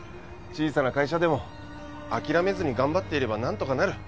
小さな会社でも諦めずに頑張っていれば何とかなる。